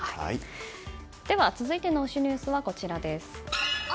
では、続いての推しニュースはこちらです。